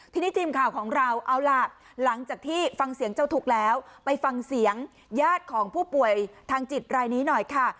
ทีนี้ทีมข่าวของเราเอาล่ะหลังจากที่ฟังเสียงเจ้าทุกข์แล้วไปฟังเสียงญาติของผู้ป่วยทางจิตรายนี้หน่อยค่ะ